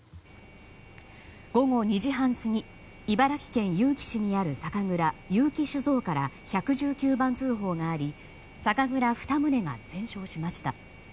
午後２時半過ぎ茨城県結城市にある酒蔵結城酒造から１１９番通報があり酒蔵２棟が全焼しました。